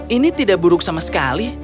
ini tidak buruk sama sekali